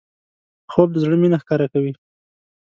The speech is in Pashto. خوب د زړه مینه ښکاره کوي